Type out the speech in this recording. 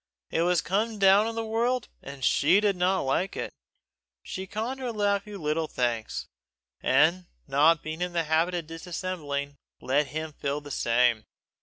It was a come down in the world, and she did not like it. She conned her nephew little thanks, and not being in the habit of dissembling, let him feel the same.